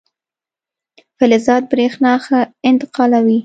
فلزات برېښنا ښه انتقالوي.